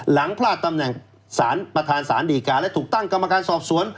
หลังพลาดตำแหน่งสารประธานสารดีการและถูกตั้งกรรมการสอบสวน